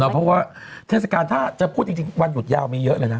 เพราะว่าเทศกาลถ้าจะพูดจริงวันหยุดยาวมีเยอะเลยนะ